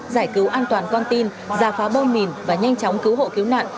giải cứu an toàn con tin giả phá bôi mìn và nhanh chóng cứu hộ cứu nạn